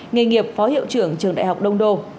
nghề nghiệp phó hiệu trưởng trường đại học đông đô